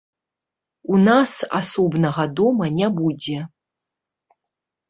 У нас асобнага дома не будзе.